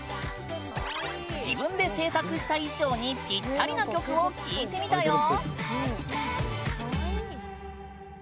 自分で製作した衣装にピッタリな曲を聞いてみたよ！